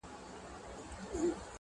• بحثونه بيا بيا تکرارېږي تل,